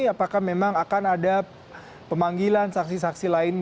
apakah memang akan ada pemanggilan saksi saksi lain